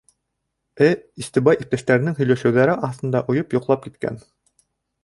Э Истебай иптәштәренең һөйләшеүҙәре аҫтында ойоп йоҡлап киткән.